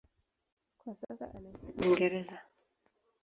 Kwa sasa anaishi Uingereza.